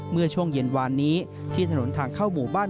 เมื่อช่วงเย็นวานนี้ที่ถนนทางเข้าหมู่บ้าน